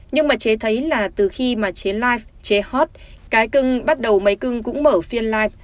nhưng mà chế thấy là từ khi mà chế live chê hot cái cưng bắt đầu máy cưng cũng mở phiên live